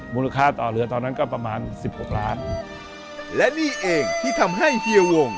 มูลค่าต่อเรือตอนนั้นก็ประมาณสิบหกล้านและนี่เองที่ทำให้เฮียวง